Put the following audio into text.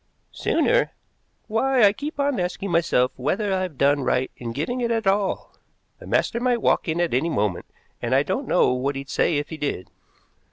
"Sooner? Why, I keep on asking myself whether I've done right in giving it at all. The master might walk in at any moment, and I don't know what he'd say if he did."